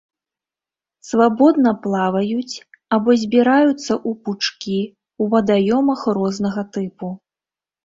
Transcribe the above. Свабодна плаваюць або збіраюцца ў пучкі ў вадаёмах рознага тыпу.